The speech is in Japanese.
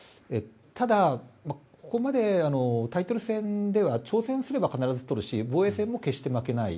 ただ、ここまでタイトル戦では挑戦すれば必ずとるし防衛戦でも決して負けない。